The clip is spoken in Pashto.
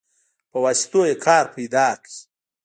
په واسطو يې کار پيدا که.